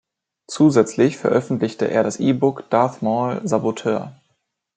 Zusätzlich veröffentlichte er das E-Book "Darth Maul: Saboteur".